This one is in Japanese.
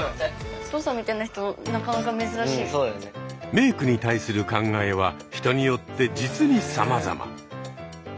メークに対する考えは人によって実にさまざま。